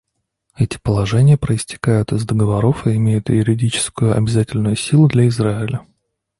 Эти положения проистекают из договоров и имеют юридически обязательную силу для Израиля.